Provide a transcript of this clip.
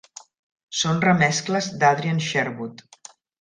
Són remescles d'Adrian Sherwood.